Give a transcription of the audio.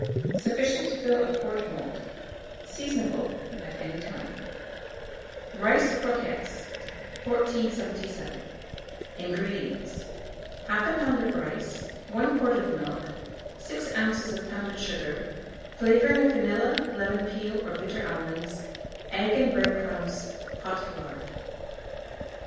Sufficient to fill a quart mould. Seasonable at any time. RICE CROQUETTES. 1477. INGREDIENTS. 1/2 lb. of rice, 1 quart of milk, 6 oz. of pounded sugar, flavouring of vanilla, lemon peel, or bitter almonds, egg and bread crumbs, hot lard.